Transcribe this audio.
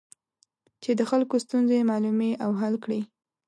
چې د خلکو ستونزې معلومې او حل کړي.